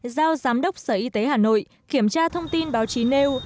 giao giám đốc sở y tế hà nội kiểm tra thông tin báo chí nêu